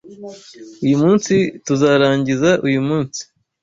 Uyu munsi tuzarangiza uyu munsi.